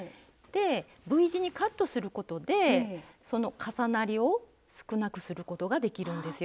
Ｖ字にカットすることでその重なりを少なくすることができるんですよ。